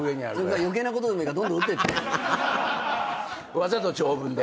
わざと長文で。